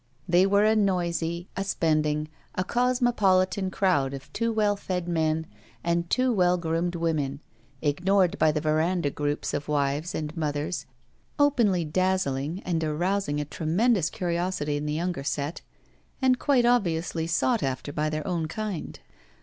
They were a noisy, a spending, a cosmopolitan crowd of too well fed men and too well groomed women, ignored by the veranda groups of wives and mothers, openly dazzling and arousing a tremendous curiosity in the younger set, and quite obviously sought after by their own kind.